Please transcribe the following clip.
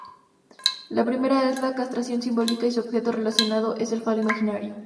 La primera es la castración simbólica y su objeto relacionado es el falo imaginario.